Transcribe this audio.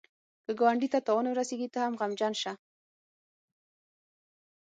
که ګاونډي ته تاوان ورسېږي، ته هم غمژن شه